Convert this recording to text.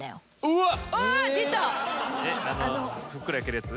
うわっ！